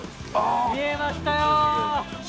見えましたよ。